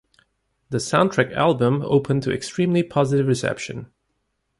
The soundtrack album opened to extremely positive reception.